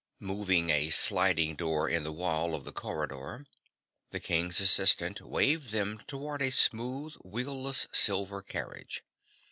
Moving a sliding door in the wall of the corridor, the King's assistant waved them toward a smooth wheelless silver carriage.